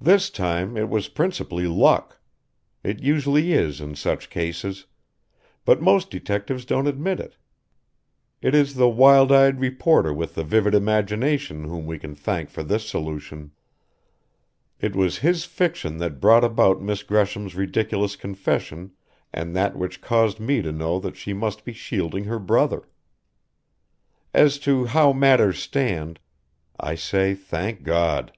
"This time it was principally luck. It usually is in such cases but most detectives don't admit it. It is the wild eyed reporter with the vivid imagination whom we can thank for this solution. It was his fiction that brought about Miss Gresham's ridiculous confession and that which caused me to know that she must be shielding her brother. As to how matters stand I say Thank God!"